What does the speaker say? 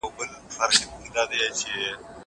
دا زده کړه له هغه ګټوره ده!!